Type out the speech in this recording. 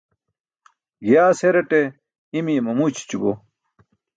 Giyaas heraṭe imiye mamu ićʰićubo.